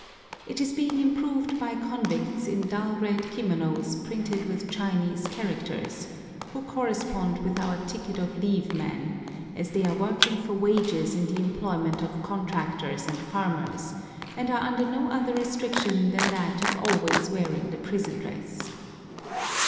It is being improved by convicts in dull red kimonos printed with Chinese characters, who correspond with our ticket of leave men, as they are working for wages in the employment of contractors and farmers, and are under no other restriction than that of always wearing the prison dress.